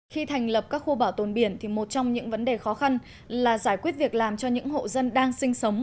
khi thành lập các khu bảo tồn biển thì một trong những vấn đề khó khăn là giải quyết việc làm cho những hộ dân đang sinh sống